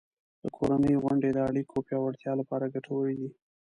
د کورنۍ غونډې د اړیکو پیاوړتیا لپاره ګټورې دي.